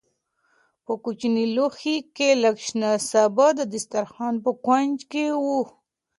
په کوچني لوښي کې لږ شنه سابه د دسترخوان په کونج کې وو.